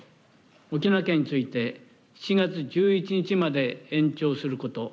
沖縄県について、７月１１日まで延長すること。